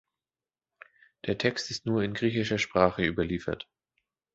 Der Text ist nur in griechischer Sprache überliefert.